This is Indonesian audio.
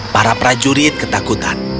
para prajurit ketakutan